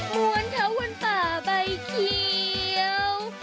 มวนเท้าวนป่าใบเคี้ยว